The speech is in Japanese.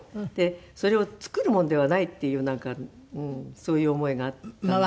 それを作るもんではないっていうなんかそういう思いがあったんですね。